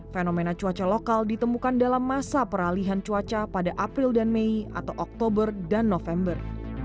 fenomena cuaca lokal ditemukan dalam masa peralihan cuaca pada april dan mei atau oktober dan november